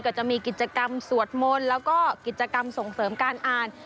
ก็จะมีกิจกรรมสวดมนต์แล้วก็กิจกรรมส่งเสริมการอ่าน